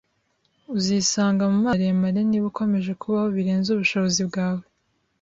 Uzisanga mumazi maremare niba ukomeje kubaho birenze ubushobozi bwawe.